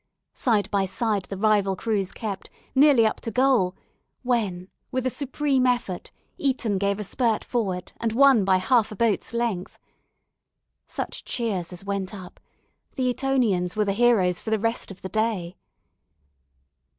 Side by side the rival crews kept, nearly up to goal, when with a supreme effort Eton gave a spurt forward, and won by half a boat's length. Such cheers as went up! The Etonians were the heroes for the rest of the day.